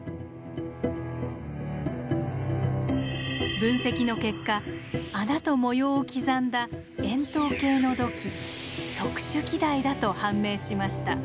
分析の結果穴と模様を刻んだ円筒形の土器特殊器台だと判明しました。